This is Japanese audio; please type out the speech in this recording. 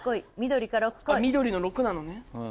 緑の６なのね。